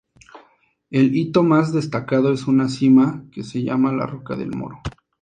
El hito más destacado es una cima que se llama 'la roca del moro'.